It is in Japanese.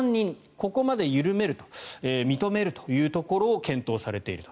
ここまで緩めると認めるというところを検討されていると。